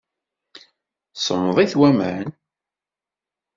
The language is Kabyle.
Semmeḍ-it waman?